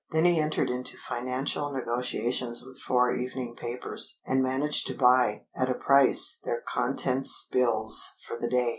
Then he entered into financial negotiations with four evening papers and managed to buy, at a price, their contents bills for the day.